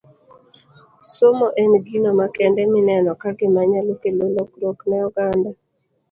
Somo en gino makende mineno ka gima nyalo kelo lokruok ne oganda